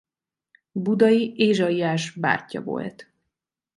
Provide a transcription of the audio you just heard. Budai Ézsaiás bátyja volt.